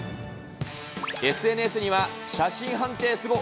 ＳＮＳには写真判定すごっ。